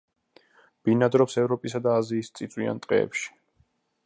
ბინადრობს ევროპისა და აზიის წიწვიან ტყეებში.